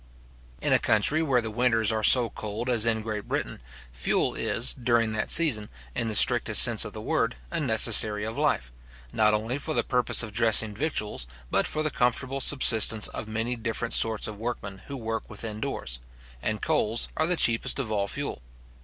In a country where the winters are so cold as in Great Britain, fuel is, during that season, in the strictest sense of the word, a necessary of life, not only for the purpose of dressing victuals, but for the comfortable subsistence of many different sorts of workmen who work within doors; and coals are the cheapest of all fuel.